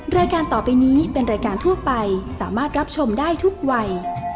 รายการต่อไปนี้เป็นรายการทั่วไปสามารถรับชมได้ทุกวัย